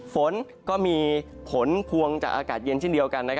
ฝนก็มีผลพวงจากอากาศเย็นเช่นเดียวกัน